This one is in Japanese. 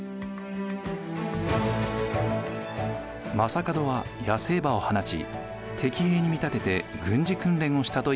将門は野生馬を放ち敵兵に見立てて軍事訓練をしたといわれています。